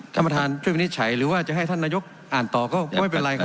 ท่านประธานช่วยวินิจฉัยหรือว่าจะให้ท่านนายกอ่านต่อก็ไม่เป็นไรครับ